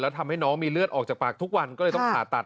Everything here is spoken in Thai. ทำให้น้องมีเลือดออกจากปากทุกวันก็เลยต้องผ่าตัด